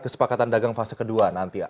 kesepakatan dagang fase kedua nanti ya